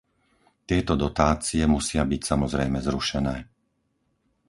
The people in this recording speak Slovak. Tieto dotácie musia byť samozrejme zrušené.